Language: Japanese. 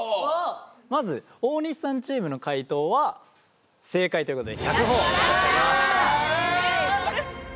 まず大西さんチームの解答は正解ということで１００ほぉ差し上げます。